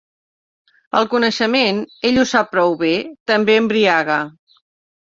El coneixement, ell ho sap prou bé, també embriaga.